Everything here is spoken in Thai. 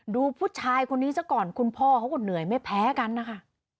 ดูผู้ชายคนนี้ซะก่อนคุณพ่อเขาก็เหนื่อยไม่แพ้กันนะคะ